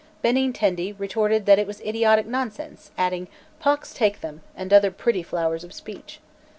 Benintendi retorted it was idiotic nonsense, adding "Pox take them," and other pretty flowers of speech.